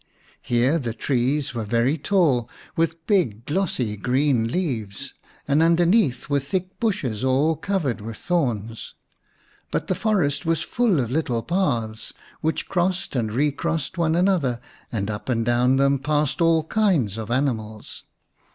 Here the trees were very tall, with big glossy green leaves, and underneath were thick bushes all covered with thorns. But the forest was full of little paths, which crossed and recrossed one another, and up and down them passed all kinds of animals.